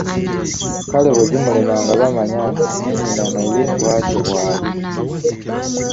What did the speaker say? Kale bwe gimulema nga bamanya nti ne nnyina naye bwatyo bambi bwali!